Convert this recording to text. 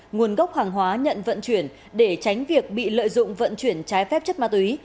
nguồn gốc hàng hóa nhận vận chuyển để tránh việc bị lợi dụng vận chuyển trái phép chất ma túy